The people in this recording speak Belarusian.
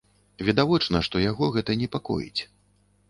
Відавочна, што яго гэта непакоіць.